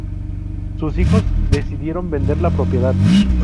Su hijos decidieron vender la propiedad.